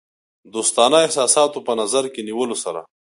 دوستانه احساساتو په نظر کې نیولو سره.